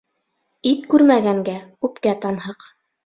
Ит күрмәгәнгә үпкә танһыҡ.